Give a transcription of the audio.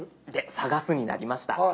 「探す」になりました。